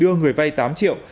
đưa người vay tám triệu